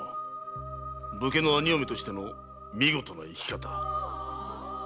武家の兄嫁としての見事な生き方感じ入ったぞ。